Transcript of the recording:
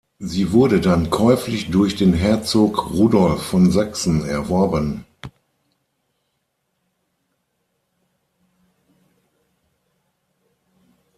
Sie wurde dann käuflich durch den Herzog Rudolf von Sachsen erworben.